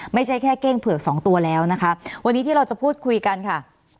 ไม่ใช่แค่เก้งเผือกสองตัวแล้วนะคะวันนี้ที่เราจะพูดคุยกันค่ะ